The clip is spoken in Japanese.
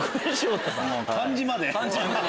漢字まで。